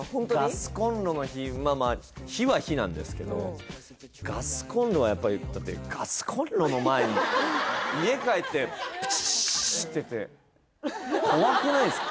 ガスコンロの火まあまあ火は火なんですけどガスコンロはやっぱりだって家帰ってブチチチチチッてやって怖くないですか？